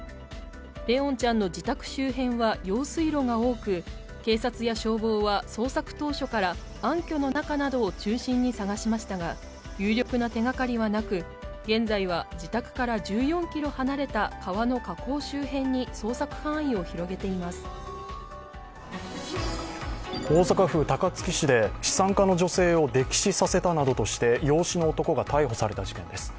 怜音ちゃんの自宅周辺は用水路が多く警察や消防は捜索当初から暗きょの中などを中心に捜しましたが有力な手がかりはなく現在は自宅から１４ｋｍ離れた川の河口周辺に大阪府高槻市で資産家の女性を溺死させたなどとして養子の男が逮捕された事件です。